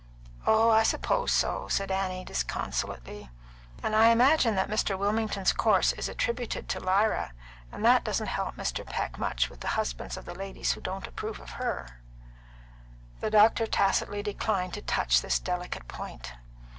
"Oh, I suppose so," said Annie disconsolately. "And I imagine that Mr. Wilmington's course is attributed to Lyra, and that doesn't help Mr. Peck much with the husbands of the ladies who don't approve of her." The doctor tacitly declined to touch this delicate point.